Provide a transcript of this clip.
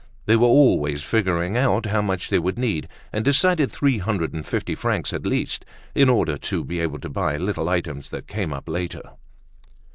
They were always figuring how much they would need and decided three hundred and fifty francs at least, in order to be able to buy little items that came up later.